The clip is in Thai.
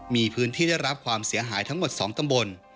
มีพื้นที่ได้รับความเสียหายทั้งหมด๒ตำบล